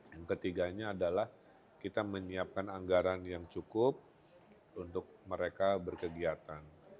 yang ketiganya adalah kita menyiapkan anggaran yang cukup untuk mereka berkegiatan